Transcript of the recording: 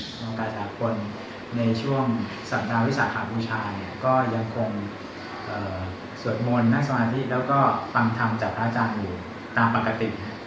ช่วงประจาภัณฑ์ในช่วงสัพธาวิสาหกาผู้ชายก็ยังคงสวดโมนนักสมาธิแล้วก็ฟังธรรมจากพระอาจารย์อยู่ตามปกติ